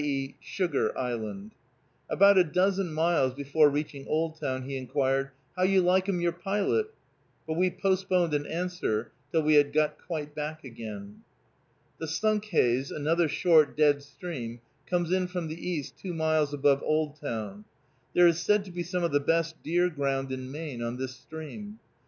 e._, Sugar) Island. About a dozen miles before reaching Oldtown he inquired, "How you like 'em your pilot?" But we postponed an answer till we had got quite back again. The Sunkhaze, another short dead stream, comes in from the east two miles above Oldtown. There is said to be some of the best deer ground in Maine on this stream.